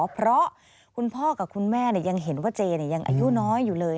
เพราะคุณพ่อกับคุณแม่ยังเห็นว่าเจยังอายุน้อยอยู่เลย